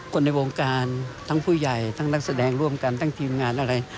คนในวงการทั้งผู้ใหญ่ทั้งนักแสดงร่วมกันทั้งทีมงานอะไร